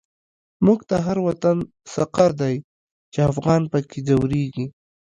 موږ ته هر وطن سقر دی، چی افغان په کی ځوريږی